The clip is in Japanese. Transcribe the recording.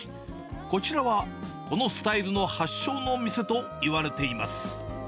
こちらは、このスタイルの発祥の店といわれています。